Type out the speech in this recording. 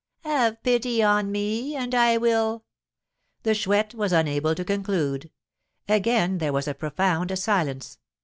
"Have pity on me, and I will " The Chouette was unable to conclude. Again there was a profound silence.